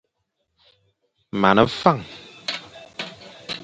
Mone Fañ,